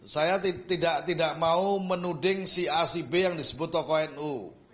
saya tidak mau menuding si acb yang disebut tokoh nu